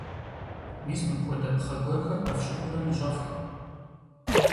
Мис мыпхуэдэ пхъэ гъурхэр къэфщыпурэ ныщӀэфх.